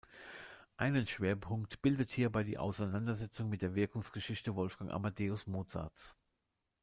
Einen Schwerpunkt bildet hierbei die Auseinandersetzung mit der Wirkungsgeschichte Wolfgang Amadeus Mozarts.